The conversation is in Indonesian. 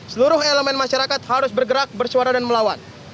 seluruh elemen masyarakat harus bergerak bersuara dan melawan